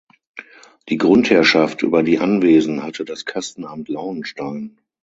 Die Grundherrschaft über die Anwesen hatte das Kastenamt Lauenstein.